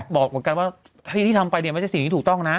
บอกเหมือนกันว่าที่ทำไปเนี่ยไม่ใช่สิ่งที่ถูกต้องนะ